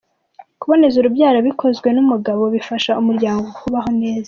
Kuboneza urubyaro bikozwe n’umugabo bifasha umuryango kubaho neza